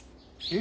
え？